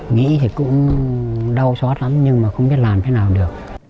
nghĩ thì cũng đau xót lắm nhưng mà không biết làm thế nào được